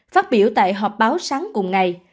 phát biểu tại họp báo sáng cùng ngày